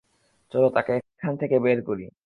চলো তাকে এখান থেকে বের করি।